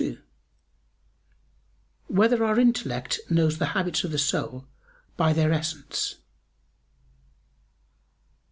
2] Whether Our Intellect Knows the Habits of the Soul by Their Essence?